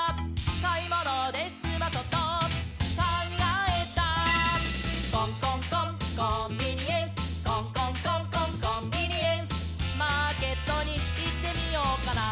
「かいものですまそとかんがえた」「コンコンコンコンビニエンス」「コンコンコンコンコンビニエンス」「マーケットにいってみようかな」